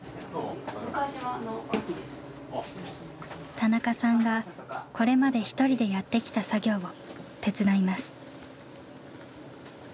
田中さんがこれまで１人でやってきた作業を手伝います。